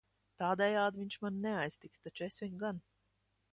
Tādejādi viņš mani neaiztiks, taču es viņu gan.